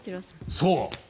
そう。